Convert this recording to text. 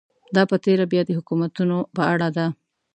دا په تېره بیا د حکومتونو په اړه ده.